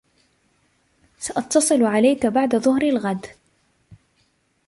سأتصل عليك بعد ظهر الغد.